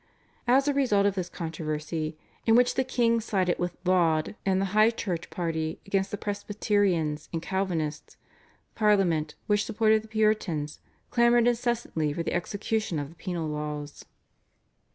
As a result of this controversy, in which the king sided with Laud and the High Church party against the Presbyterians and Calvinists, Parliament, which supported the Puritans, clamoured incessantly for the execution of the penal laws.